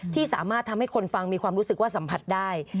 ที่สามารถทำให้คนฟังมีความรู้สึกว่าสัมผัสได้